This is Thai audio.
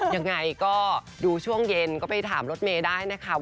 ยังไงก็ดูช่วงเย็นก็ไปถามรถเมล์ได้นะคะว่าจะเป็นยังไง